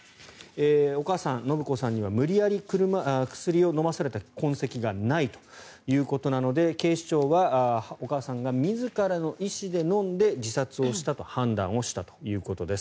お母さん、延子さんには無理やり薬を飲まされた痕跡がないということなので警視庁はお母さんが自らの意思で飲んで自殺をしたという判断をしたということです。